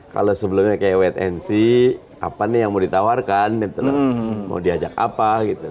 kalau sebelumnya kayak wait and see apa nih yang mau ditawarkan gitu loh mau diajak apa gitu